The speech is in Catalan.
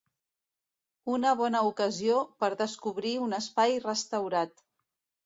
Una bona ocasió per descobrir un espai restaurat.